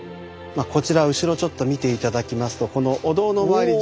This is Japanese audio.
こちら後ろちょっと見て頂きますとこのお堂の周り